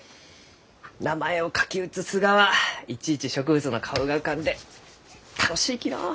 名前を書き写すがはいちいち植物の顔が浮かんで楽しいきのう。